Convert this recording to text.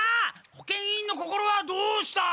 保健委員の心はどうした！